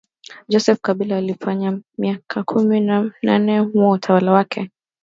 Joseph kabila alifanya myika kumi na nane mu utawala wake